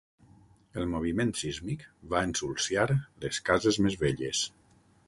El moviment sísmic va ensulsiar les cases més velles.